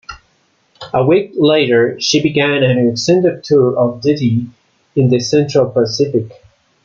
A week later, she began an extended tour of duty in the Central Pacific.